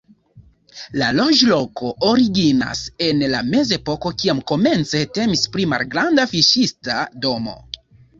La loĝloko originas en la mezepoko, kiam komence temis pri malgranda fiŝista domo.